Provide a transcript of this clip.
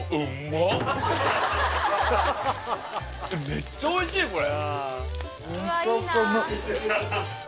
めっちゃおいしいこれ・